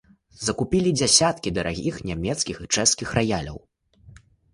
Закупілі дзясяткі дарагіх нямецкіх і чэшскіх раяляў.